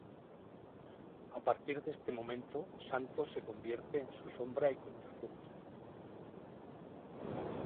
A partir de ese momento Santos se convierte en su sombra y contrapunto.